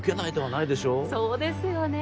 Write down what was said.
そうですよね。